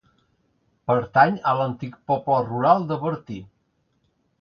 Pertany a l'antic poble rural de Bertí.